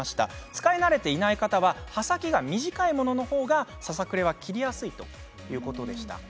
使い慣れていない方は刃先が短いものの方がささくれは切りやすいということでした。